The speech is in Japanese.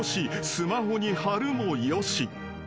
スマホに貼るもよし］